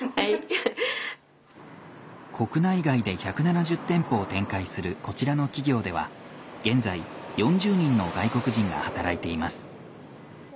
国内外で１７０店舗を展開するこちらの企業では現在４０人の外国人が働いています。